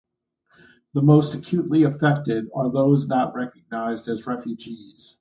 The most acutely affected are those not recognized as refugees.